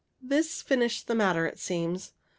This finished the matter, it seems.